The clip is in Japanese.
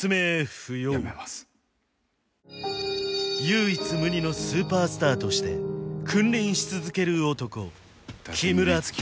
不要唯一無二のスーパースターとして君臨し続ける男